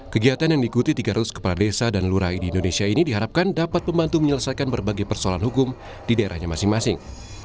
kegiatan yang diikuti tiga ratus kepala desa dan lurai di indonesia ini diharapkan dapat membantu menyelesaikan berbagai persoalan hukum di daerahnya masing masing